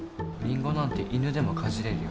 リンゴなんて犬でもかじれるよ。